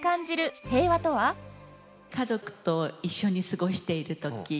家族と一緒に過ごしている時。